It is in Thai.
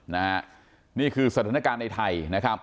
นี่คือสถานการณ์ในไทย